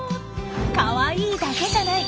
かわいい！だけじゃない。